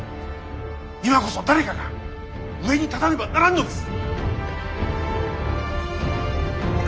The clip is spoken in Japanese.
今こそ誰かが上に立たねばならんのです！